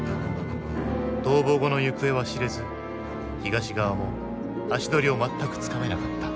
逃亡後の行方は知れず東側も足取りを全くつかめなかった。